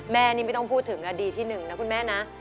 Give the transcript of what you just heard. แม่นี่ไม่ต้องพูดถึงอดีตที่หนึ่งนะคุณแม่นะ